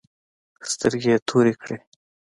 سترگې يې تورې کړې.